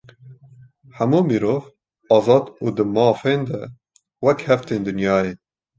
Hemû mirov, azad û di mafan de wekhev tên dinyayê